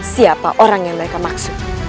siapa orang yang mereka maksud